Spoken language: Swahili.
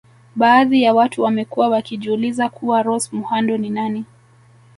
Baadhi ya watu wamekuwa wakijiuliza kuwa Rose muhando ni nani